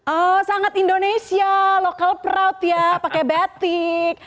oh sangat indonesia local proud ya pakai batik